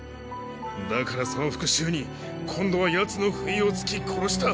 だからその復讐に今度はヤツの不意をつき殺した。